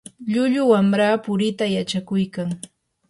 llullu wamra puriita yachakuykan.